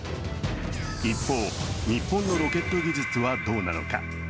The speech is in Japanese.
一方、日本のロケット技術はどうなのか。